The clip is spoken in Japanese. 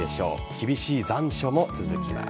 厳しい残暑も続きます。